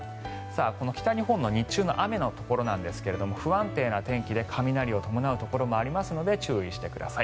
北日本の日中の雨のところですが不安定な天気で雷を伴うところもありますので注意してください。